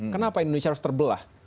kenapa indonesia harus terbelah